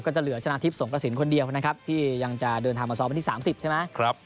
จะเหลือชนะทิพย์สงกระสินคนเดียวนะครับที่ยังจะเดินทางมาซ้อมวันที่๓๐ใช่ไหม